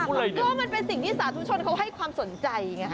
ก็มันเป็นสิ่งที่สาธุชนเขาให้ความสนใจไง